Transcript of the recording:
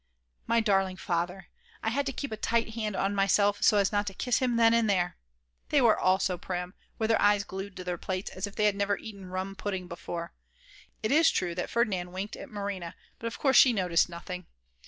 My darling Father, I had to keep a tight hand on myself so as not to kiss him then and there. They were all so prim, with their eyes glued to their plates as if they had never eaten rum pudding before. It is true that Ferdinand winked at Marina, but of course she noticed nothing.